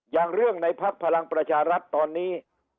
อย่างเรื่องในภักดิ์พลังประชารัฐตอนนี้